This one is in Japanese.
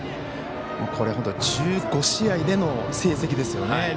これ、１５試合での成績ですよね。